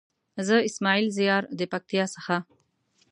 زه اسماعيل زيار د پکتيا څخه.